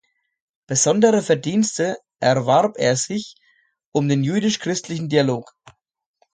Besondere Verdienste erwarb er sich um den jüdisch-christlichen Dialog.